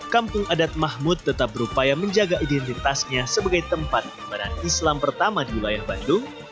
kampung adat mahmud tetap berupaya menjaga identitasnya sebagai tempat penyebaran islam pertama di wilayah bandung